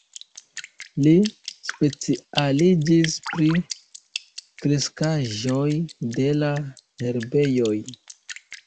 Li specialiĝis pri kreskaĵoj de la herbejoj.